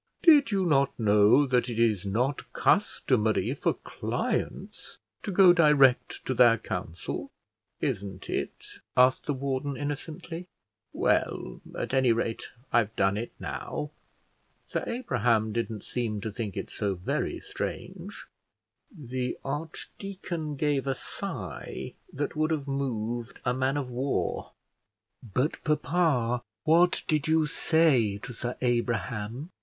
Did you not know that it is not customary for clients to go direct to their counsel?" "Isn't it?" asked the warden, innocently. "Well, at any rate, I've done it now. Sir Abraham didn't seem to think it so very strange." The archdeacon gave a sigh that would have moved a man of war. "But, papa, what did you say to Sir Abraham?"